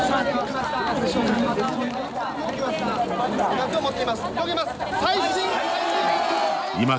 旗を持っています。